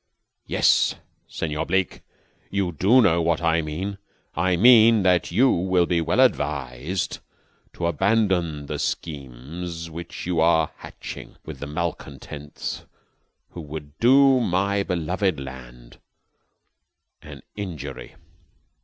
"Yes, Senor Bleke, you do know what I mean. I mean that you will be well advised to abandon the schemes which you are hatching with the malcontents who would do my beloved land an injury."